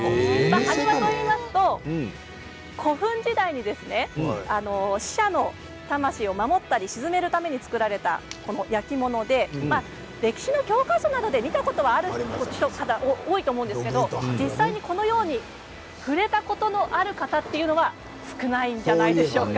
埴輪といいますと古墳時代に死者の魂を守ったり鎮めるために作られた焼き物で歴史の教科書などで見たことある方多いと思うんですけど実際にこのように触れたことのある方というのは少ないんじゃないでしょうか。